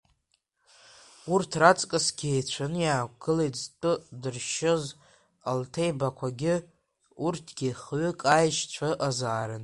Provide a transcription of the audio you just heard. Урҭ раҵкысгьы еицәаны иаақәгылеит зтәы дыршьыз Алҭеи-бақәагьы, урҭгьы хҩык аешьцәа ыҟазаарын.